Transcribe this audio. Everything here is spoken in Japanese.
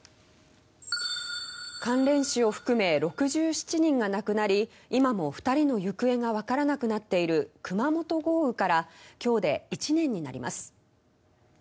関連死を含め６７人が亡くなり今も２人の行方が分からなくなっている熊本豪雨から今日で１年になります。